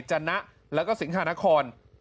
จันทน์นะและก็สิงหานคร